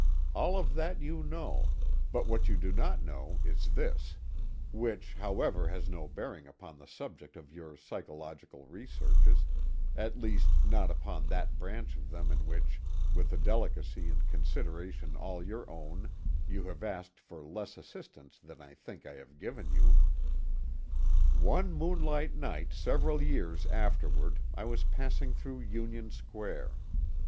All of that you know, but what you do not know is this—which, however, has no bearing upon the subject of your psychological researches—at least not upon that branch of them in which, with a delicacy and consideration all your own, you have asked for less assistance than I think I have given you: One moonlight night several years afterward I was passing through Union square.